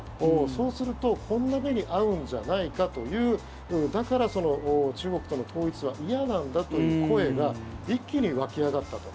そうすると、こんな目に遭うんじゃないかというだから、中国との統一は嫌なんだという声が一気に沸き上がったと。